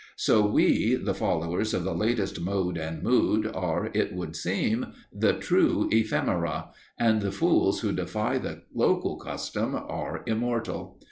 So we, the followers of the latest mode and mood, are, it would seem, the true ephemera, and the fools who defy the local custom are immortal.